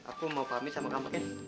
aku mau pamit sama kamu ken